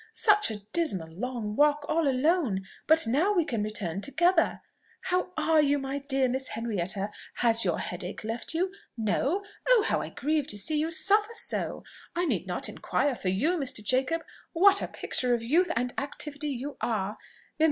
Such a dismal long walk, all alone! but now we can return together. How are you, my dear Miss Henrietta? has your headache left you? No? Oh, how I grieve to see you suffer so! I need not inquire for you, Mr. Jacob what a picture of youth and activity you are!